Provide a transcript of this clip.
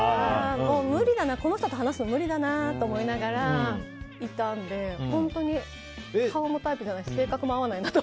この人と話すの無理だなと思いながらいたので本当に顔もタイプじゃないし性格も合わないなと。